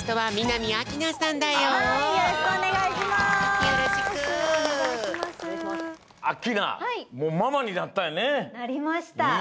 なりました。